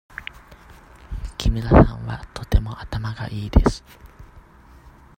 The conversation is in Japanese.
木村さんはとても頭がいいです。